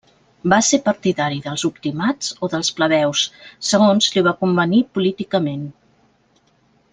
Va ser partidari dels optimats o dels plebeus, segons li va convenir políticament.